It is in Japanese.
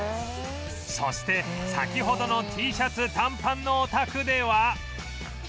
そして先ほどの Ｔ シャツ短パンのお宅では